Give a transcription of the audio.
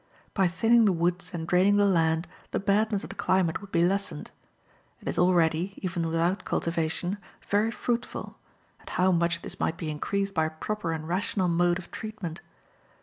By thinning the woods and draining the land, the badness of the climate would be lessened. It is already, even without cultivation, very fruitful; and how much this might be increased by a proper and rational mode of treatment.